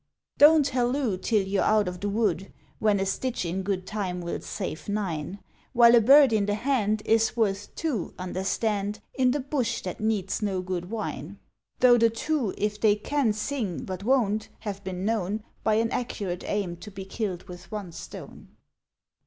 Don't Halloo till you're out of the Wood, When a Stitch in Good Time will save nine, While a Bird in the Hand Is worth Two, understand, In the Bush that Needs no Good Wine. (Tho' the two, if they Can sing but Won't, have been known, By an accurate aim to be killed with one Stone.)